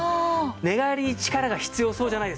寝返りに力が必要そうじゃないですか？